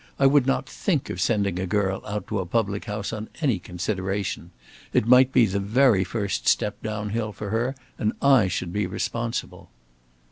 I would not think of sending a girl out to a public house on any consideration. It might be the very first step downhill for her, and I should be responsible."